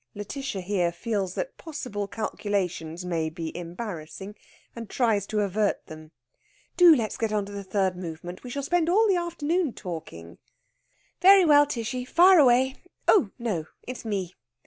Lætitia here feels that possible calculations may be embarrassing, and tries to avert them. "Do let's get on to the third movement. We shall spend all the afternoon talking." "Very well, Tishy, fire away! Oh, no; it's me."